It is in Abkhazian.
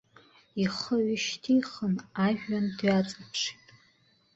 Ихы ҩышьҭихын ажәҩан дҩаҵаԥшит.